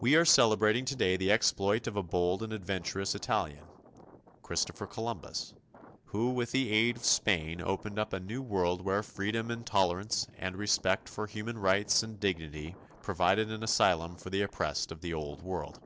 We are celebrating today the exploit of a bold and adventurous Italian Christopher Columbus who with the aid of Spain opened up a new world where freedom and tolerance and respect for human rights and dignity provided an asylum for the oppressed of the Old World.